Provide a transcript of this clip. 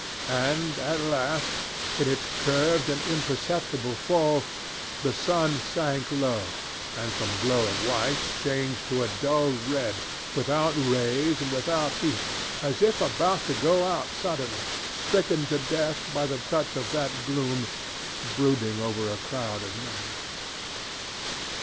And at last, in its curved and imperceptible fall, the sun sank low, and from glowing white changed to a dull red without rays and without heat, as if about to go out suddenly, stricken to death by the touch of that gloom brooding over a crowd of men.